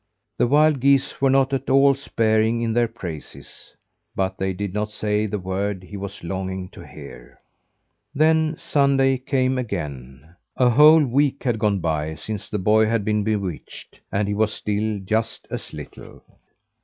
The wild geese were not at all sparing in their praises, but they did not say the word he was longing to hear. Then Sunday came again. A whole week had gone by since the boy had been bewitched, and he was still just as little.